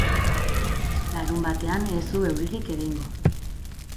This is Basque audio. Larunbatean ez du euririk egingo.